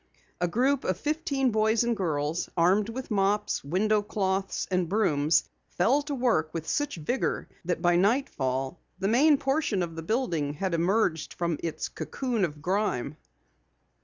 A group of fifteen boys and girls, armed with mops, window cloths and brooms, fell to work with such vigor that by nightfall the main portion of the building had emerged from its cocoon of grime.